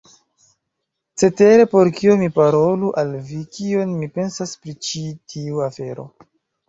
Cetere por kio mi parolu al vi, kion mi pensas pri ĉi tiu afero.